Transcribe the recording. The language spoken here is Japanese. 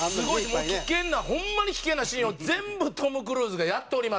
もう危険なホンマに危険なシーンを全部トム・クルーズがやっております。